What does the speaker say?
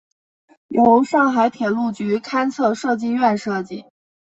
由上海铁路局勘测设计院设计。